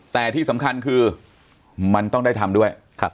แต่ที่สำคัญคือมันต้องได้ทำด้วย